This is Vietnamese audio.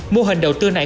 mô hình đầu tư này